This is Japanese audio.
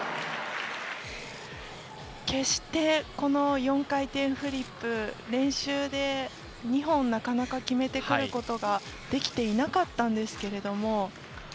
決して４回転フリップ練習で２本なかなか決めてくることができていなかったんですけれども。